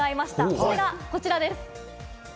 それがこちらです。